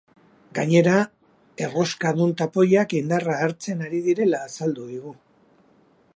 Gainera, erroskadun tapoiak indarra hartzen ari direla azaldu digu.